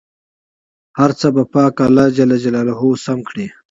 هر څه به پاک الله جل جلاله سم کړي.